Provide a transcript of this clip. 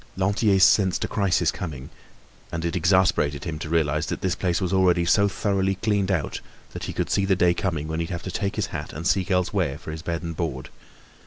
Lantier sensed a crisis coming and it exasperated him to realise that this place was already so thoroughly cleaned out that he could see the day coming when he'd have to take his hat and seek elsewhere for his bed and board.